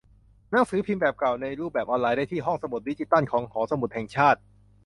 หนังสือพิมพ์เก่าในรูปแบบออนไลน์ ได้ที่ ห้องสมุดดิจิทัลของ หอสมุดแห่งชาติ